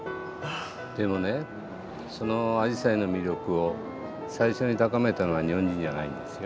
でもねそのアジサイの魅力を最初に高めたのは日本人じゃないんですよ。